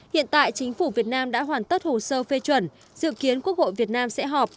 hiện tại chính phủ việt nam đã hoàn tất hồ sơ phê chuẩn dự kiến quốc hội việt nam sẽ họp